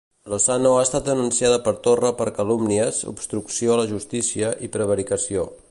Lozano ha estat denunciada per Torra per calúmnies, obstrucció a la justícia i prevaricació.